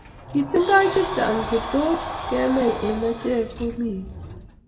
Kitindoi chechang che tos kenai eng achek ko kimi yu